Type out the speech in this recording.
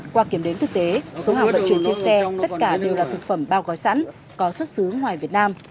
qua kiểm đếm thực tế số hàng vận chuyển trên xe tất cả đều là thực phẩm bao gói sẵn có xuất xứ ngoài việt nam